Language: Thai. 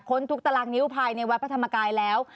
ทุกตารางนิ้วภายในวัดพระธรรมกายแล้ว